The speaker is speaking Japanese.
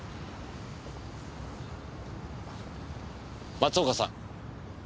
松岡さん。